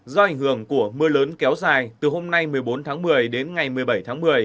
do ảnh hưởng của mưa lớn kéo dài từ hôm nay một mươi bốn tháng một mươi đến ngày một mươi bảy tháng một mươi